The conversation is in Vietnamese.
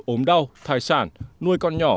ốm đau thai sản nuôi con nhỏ